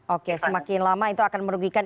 oke semakin lama itu akan merugikan